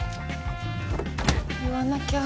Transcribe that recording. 言わなきゃ。